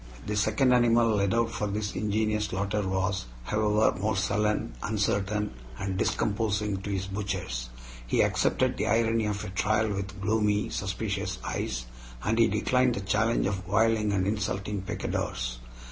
The second animal led out for this ingenious slaughter was, however, more sullen, uncertain, and discomposing to his butchers. He accepted the irony of a trial with gloomy, suspicious eyes, and he declined the challenge of whirling and insulting picadors.